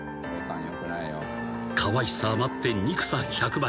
［かわいさ余って憎さ百倍］